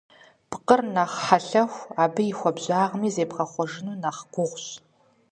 Пкъыр нэхъ хьэлъэху, абы и хуабжьагъми зебгъэхъуэжыну нэхъ гугъущ.